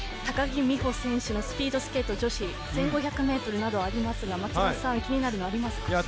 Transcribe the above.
高木美帆選手のスピードスケート女子１５００ｍなどありますが松田さん、気になるものはありますか？